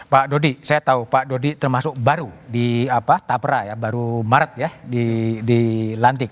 pak dodi saya tahu pak dodi termasuk baru di tapra ya baru maret ya dilantik